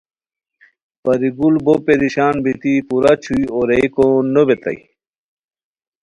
پری گل بو پریشان بیتی پورا چھوئے اورئیکو نوبیتائے